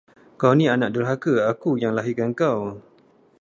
Kau ni anak derhaka, aku yang lahirkan kau.